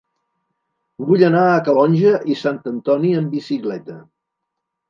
Vull anar a Calonge i Sant Antoni amb bicicleta.